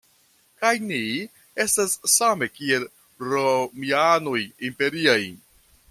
Kaj ni estas same kiel romianoj imperiaj.